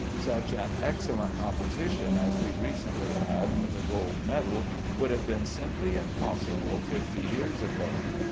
Such an excellent competition as we recently had for the gold medal would have been simply impossible fifty years ago.